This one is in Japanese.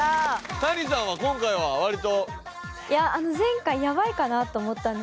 谷さんは今回は割と。